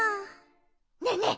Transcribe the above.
ねえねえ